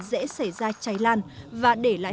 dễ xảy ra cháy lan và để lại